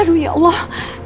aduh ya allah